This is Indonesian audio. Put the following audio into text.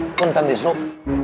untuk tanti snuk